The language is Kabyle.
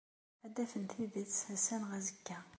Ad d-afen tidet ass-a neɣ azekka.